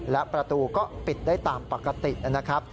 และประตูก็ปิดได้ตามปกตินะครับ